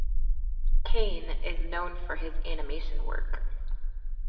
Kane is known for his animation work.